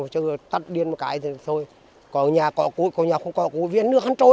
huyện vĩnh linh tỉnh quảng trị